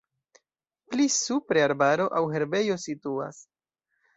Pli supre arbaro aŭ herbejo situas.